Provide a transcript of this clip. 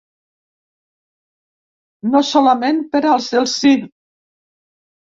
No solament per als del sí.